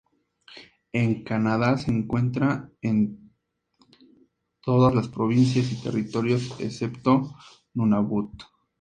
En Canadá, se encuentra en todas las provincias y territorios, excepto Nunavut.